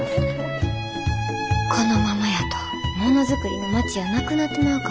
このままやとものづくりの町やなくなってまうかも。